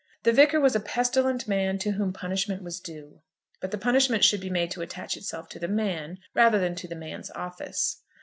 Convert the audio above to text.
The Vicar was a pestilent man to whom punishment was due, but the punishment should be made to attach itself to the man, rather than to the man's office.